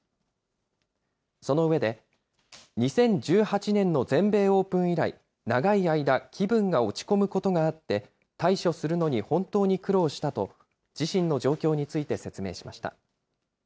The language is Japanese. その上で、２０１８年の全米オープン以来、長い間、気分が落ち込むことがあって、対処するのに本当に苦労したと、自身の状況について説明しました。